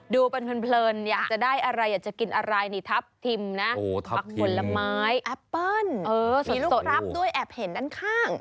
ดูเป็นเพลินอยากจะได้อะไรอยากจะกินอะไรนี่ทับทิมนะผักผลไม้แอปเปิ้ลมีลูกรับด้วยแอบเห็นด้านข้าง